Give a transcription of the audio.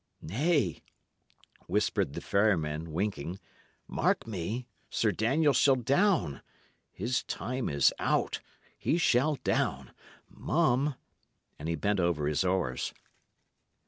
"Nay," whispered the ferryman, winking. "Mark me! Sir Daniel shall down. His time is out. He shall down. Mum!" And he bent over his oars.